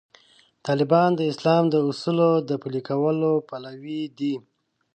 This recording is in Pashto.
طالبان د اسلام د اصولو د پلي کولو پلوي دي.